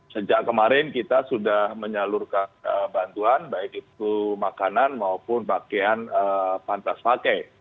sejak kemarin kita sudah menyalurkan bantuan baik itu makanan maupun pakaian pantas pakai